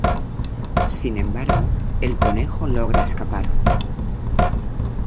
Sin embargo, el conejo logra escapar.